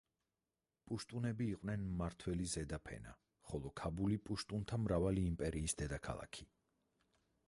პუშტუნები იყვნენ მმართველი ზედაფენა, ხოლო ქაბული პუშტუნთა მრავალი იმპერიის დედაქალაქი.